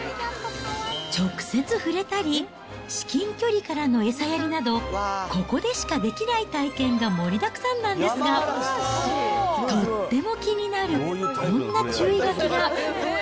直接触れたり、至近距離からの餌やりなど、ここでしかできない体験が盛りだくさんなんですが、とっても気になるこんな注意書きが。